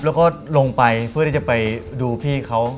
แล้วก็ลงไปเพื่อที่จะไปดูพี่เขา